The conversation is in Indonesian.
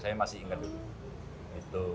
saya masih ingat dulu